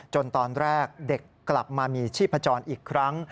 ตอนแรกเด็กกลับมามีชีพจรอีกครั้ง